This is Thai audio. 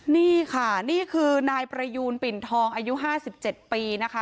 นี่ค่ะนี่คือนายประยูญปิ่นทองอายุห้าสิบเจ็ดปีนะคะ